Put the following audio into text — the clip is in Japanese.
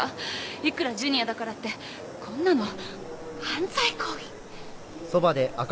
いくらジュニアだからってこんなの犯罪行為。